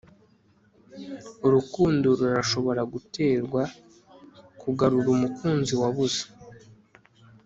Urukundo Rurashobora guterwa Kugarura Umukunzi Wabuze